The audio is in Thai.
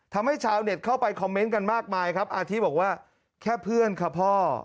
ทำให้ชาวเน็ตเข้าไปคอมเมนต์กันมากมายครับอาทิบอกว่าแค่เพื่อนค่ะพ่อ